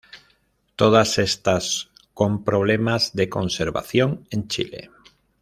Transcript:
Todas estas con problemas de conservación en Chile.